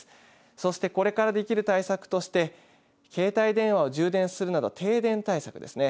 そしてこれからできる対策として携帯電話を充電するなど停電対策ですね